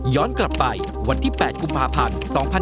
กลับไปวันที่๘กุมภาพันธ์๒๕๖๒